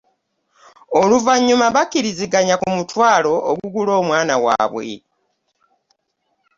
Oluvannyuma bakkiriziganya ku mutwalo ogunaagula omwana waabwe.